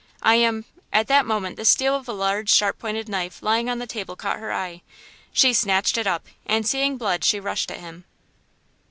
I am " At that moment the steel of a large, sharp pointed knife lying on the table caught her eye. She snatched it up, and seeing blood she rushed at him.